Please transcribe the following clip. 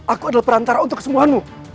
aku adalah perantara untuk kesembuhanmu